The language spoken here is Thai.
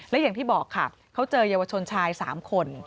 และอย่างที่บอกค่ะเขาเจอเยาวชนชาย๓คน